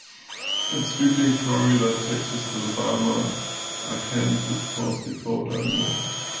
It’s sweeping Florida, Texas, Alabama, Arkansas, South Dakota, and more.